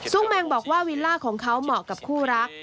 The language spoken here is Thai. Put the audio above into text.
แมงบอกว่าวิลล่าของเขาเหมาะกับคู่รัก